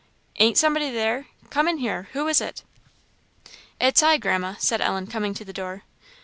"Ain't somebody there? Come in here who is it?" "It's I, Grandma," said Ellen, coming to the door.